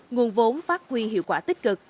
nguồn vốn phát huy hiệu quả tích cực